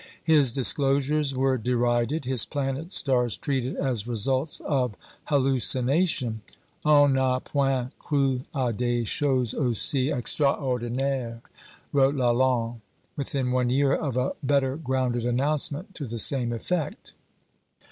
His disclosures were derided; his planet stars treated as results of hallucination. On n'a point cru à des choses aussi extraordinaires, wrote Lalande within one year of a better grounded announcement to the same effect.